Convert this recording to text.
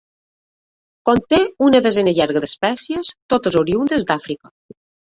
Conté una desena llarga d'espècies, totes oriündes d'Àfrica.